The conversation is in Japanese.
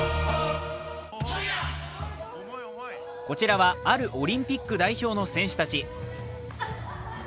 こちらは、あるオリンピック代表の選手たち。